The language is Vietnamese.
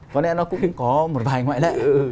có lẽ nó cũng có một vài ngoại lệ